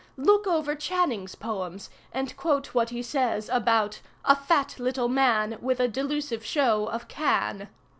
Look over Channing's poems and quote what he says about a 'fat little man with a delusive show of Can.